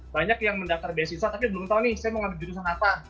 banyak yang mendaftar beasiswa tapi belum tahu nih saya mau ngambil jurusan apa